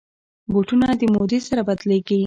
بوټونه د مودې سره بدلېږي.